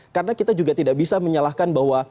karena kita juga tidak bisa menyalahkan bahwa